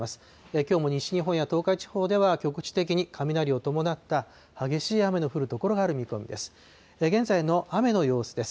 きょうも西日本や東海地方では、局地的に雷を伴った激しい雨の降る所がある見込みです。